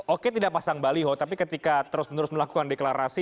oke tidak pasang baliho tapi ketika terus menerus melakukan deklarasi